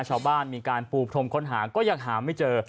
ชาวบ้านมีการปูพรมค้นหาก็ยังหาไม่เจอ